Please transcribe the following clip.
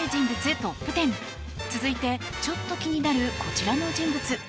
トップ１０続いて、ちょっと気になるこちらの人物。